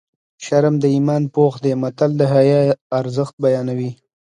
شرم د ایمان پوښ دی متل د حیا ارزښت بیانوي